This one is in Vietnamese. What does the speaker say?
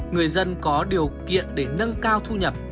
người dân có điều kiện để nâng cao thu nhập